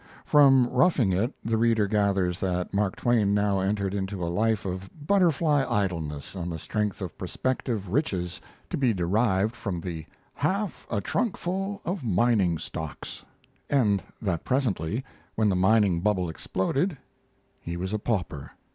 From 'Roughing It' the reader gathers that Mark Twain now entered into a life of butterfly idleness on the strength of prospective riches to be derived from the "half a trunkful of mining stocks," and that presently, when the mining bubble exploded, he was a pauper.